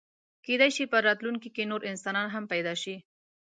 کېدی شي په راتلونکي کې نور انسانان هم پیدا شي.